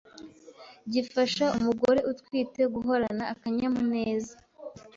gifasha umugore utwite guhorana akanyamuneza